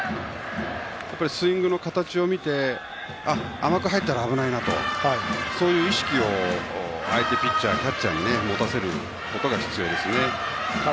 スイングの形を見て甘く入ったら危ないなそういう意識を相手ピッチャー、キャッチャーに持たせることが必要ですね。